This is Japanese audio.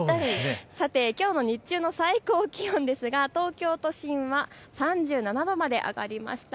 さてきょうの日中の最高気温ですが東京都心は３７度まで上がりました。